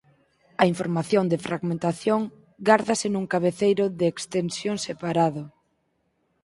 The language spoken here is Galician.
A información de fragmentación gárdase nun cabeceira de extensión separado.